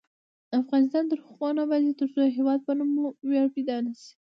افغانستان تر هغو نه ابادیږي، ترڅو د هیواد په نوم مو ویاړ پیدا نشي.